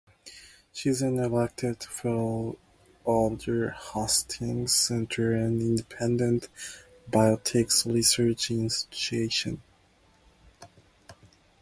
She is an elected fellow of the Hastings Center, an independent bioethics research institution.